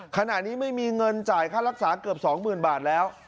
ขณะนี้ไม่มีเงินจ่ายค่ารักษาเกือบ๒๐๐๐บาทแล้ว